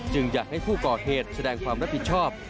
อยากให้ผู้ก่อเหตุแสดงความรับผิดชอบ